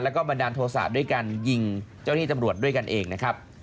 แล้วก็บันดาลโทษะด้วยการยิงเจ้าหน้าที่ตำรวจด้วยกันเองนะครับ